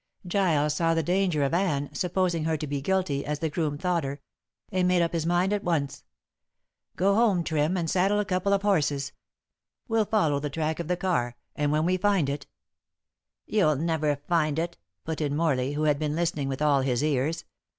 Giles saw the danger of Anne supposing her to be guilty, as the groom thought her and made up his mind at once. "Go home, Trim, and saddle a couple of horses. We'll follow the track of the car, and when we find it " "You'll never find it," put in Morley, who had been listening with all his ears.